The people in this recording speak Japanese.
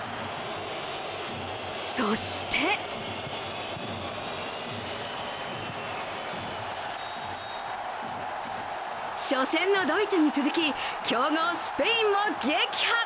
そして初戦のドイツに続き強豪スペインも撃破。